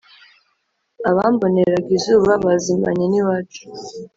Abamboneraga izuba Bazimanye n’iwacu;